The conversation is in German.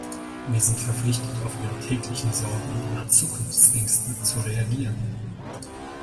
Wir sind verpflichtet, auf ihre täglichen Sorgen und ihre Zukunftsängste zu reagieren.